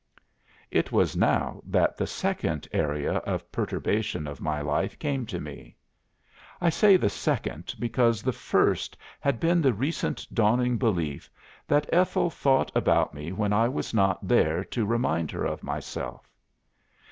"It was now that the second area of perturbation of my life came to me. I say the second, because the first had been the recent dawning belief that Ethel thought about me when I was not there to remind her of myself.